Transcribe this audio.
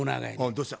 どうした？